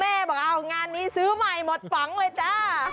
บอกเอางานนี้ซื้อใหม่หมดฝังเลยจ้า